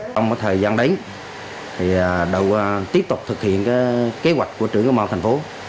công an tp quảng ngãi sẽ tiếp tục thực hiện kế hoạch của trưởng cơ quan thành phố